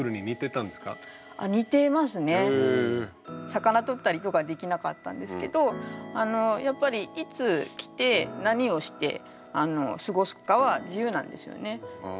魚とったりとかできなかったんですけどあのやっぱりいつ来て何をしてあの過ごすかは自由なんですよね。